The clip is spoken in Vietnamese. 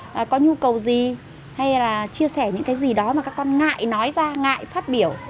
và có nhu cầu gì hay là chia sẻ những cái gì đó mà các con ngại nói ra ngại phát biểu